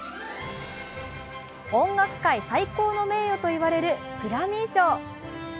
音楽界最高の名誉と言われるグラミー賞。